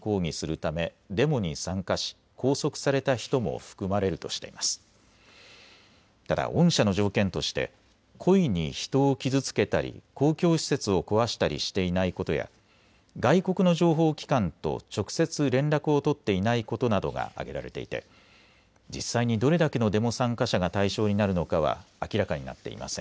ただ恩赦の条件として故意に人を傷つけたり、公共施設を壊したりしていないことや外国の情報機関と直接、連絡を取っていないことなどが挙げられていて実際にどれだけのデモ参加者が対象になるのかは明らかになっていません。